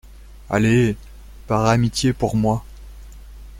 Allez, par amitié pour moi.